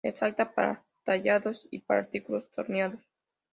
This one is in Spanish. Es apta para tallados y para artículos torneados.